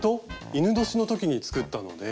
戌年の時に作ったので。